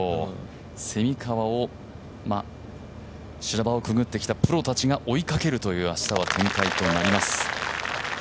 蝉川を修羅場をくぐってきたプロたちが追いかけるという明日は展開となります。